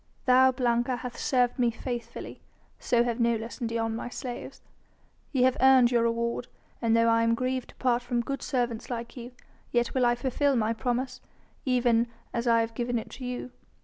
"Thou, Blanca, hath served me faithfully, so have Nolus and Dion, my slaves. Ye have earned your reward, and though I am grieved to part from good servants like you, yet will I fulfil my promise, even as I have given it to you.